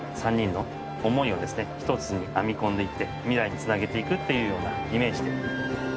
３人の思いをですね一つに編み込んでいって未来に繋げていくっていうようなイメージで。